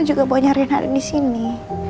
juga maunya rena disini